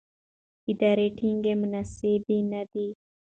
اداري ټاکنې مناسبې نه دي.